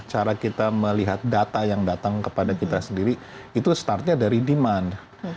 cara kita melihat data yang datang kepada kita sendiri itu startnya dari demand